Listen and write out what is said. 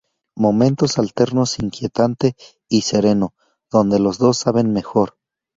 Momentos alternos inquietante y sereno, donde los dos saben mejor.